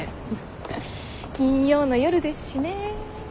金曜の夜ですしね。